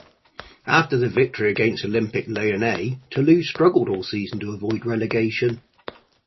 After the victory against Olympique Lyonnais Toulouse struggled all season to avoid relegation.